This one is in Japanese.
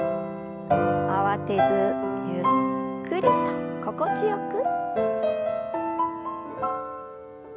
慌てずゆっくりと心地よく。